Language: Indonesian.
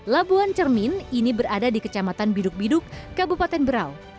labuan cermin ini berada di kecamatan biduk biduk kabupaten berau